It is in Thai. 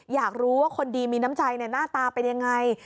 อยากรู้ว่าคนดีมีน้ำใจหน้าตาเป็นยังไง